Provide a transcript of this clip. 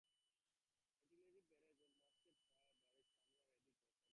Artillery barrages and musket fire brought somewhat heavy casualties to each side.